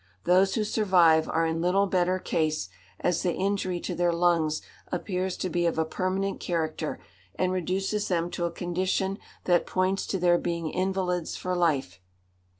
Those who survive are in little better case, as the injury to their lungs appears to be of a permanent character and reduces them to a condition that points to their being invalids for life."